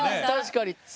確かに。